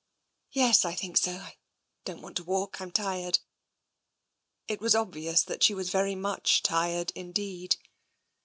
" Yes, I think so. I don't want to walk, I'm tired." It was obvious that she was very much tired indeed.